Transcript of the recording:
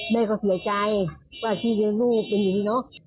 แม่ก็เสียใจว่าที่เลี้ยงลูกเป็นอย่างนี้เนอะ